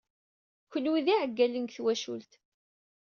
Kenwi d iɛeggalen seg twacult.